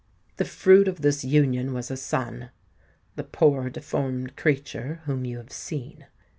The fruit of this union was a son—the poor deformed creature whom you have seen.